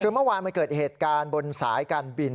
คือเมื่อวานมันเกิดเหตุการณ์บนสายการบิน